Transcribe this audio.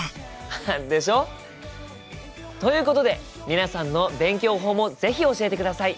ハハッでしょ？ということで皆さんの勉強法も是非教えてください。